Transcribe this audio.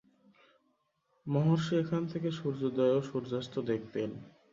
মহর্ষি এখান থেকে সূর্যোদয় ও সূর্যাস্ত দেখতেন।